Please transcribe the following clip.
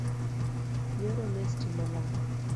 Nyoro ne stima olal